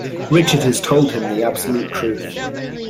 Richard has told him the absolute truth.